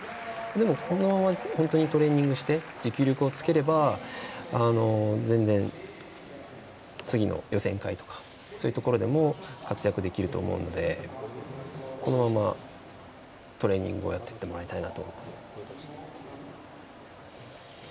でも、このままトレーニングして持久力をつければ全然次の予選会とかそういうところでも活躍できると思うのでこのままトレーニングをやっていってもらえたらなと思います。